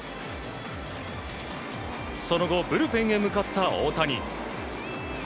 その後、ブルペンへ向かった大谷。